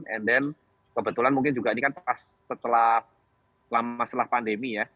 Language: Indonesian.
and then kebetulan mungkin juga ini kan pas setelah lama setelah pandemi ya